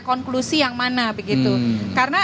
konklusi yang mana begitu karena